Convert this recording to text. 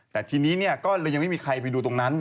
แต่ทีนี้ก็เลยยังไม่มีใครไปดูตรงนั้น